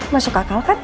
masuk akal kan